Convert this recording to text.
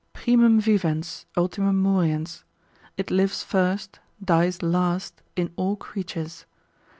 Primum vivens, ultimum moriens, it lives first, dies last in all creatures.